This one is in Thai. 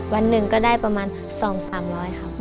วันหนึ่งก็ได้ประมาณสองสามร้อยครับ